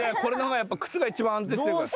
靴が一番安定してるから。